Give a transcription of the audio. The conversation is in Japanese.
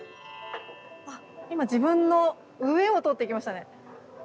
今、自分の上を通っていきましたね。